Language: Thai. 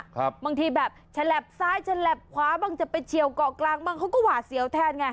บางทีแบบฉลับซ้ายฉลับขวาบ้างจะไปเฉียวเกาะกลางบ้างเขาก็หวาดเสียวแทนไง